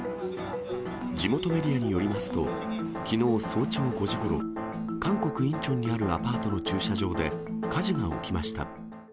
地元メディアによりますと、きのう早朝５時ごろ、韓国・インチョンにあるアパートの駐車場で、火事が起きました。